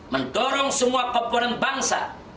mendorong semua pemerintah bangsa